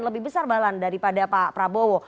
lebih besar balan daripada pak prabowo